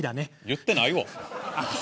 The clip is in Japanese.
言ってないわ。